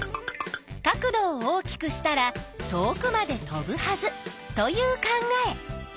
角度を大きくしたら遠くまで飛ぶはずという考え。